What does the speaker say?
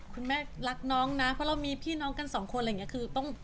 คุณแม่รักน้องนะเพราะเรามีพี่น้องกันสองคน